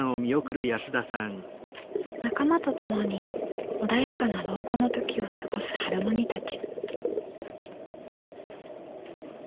仲間と共に穏やかな老後の時を過ごすハルモニたち。